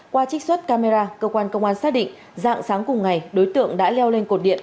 qua trích xuất camera cơ quan công an xác định dạng sáng cùng ngày đối tượng đã leo lên cột điện